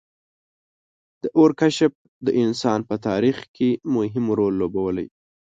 • د اور کشف د انسان په تاریخ کې مهم رول لوبولی.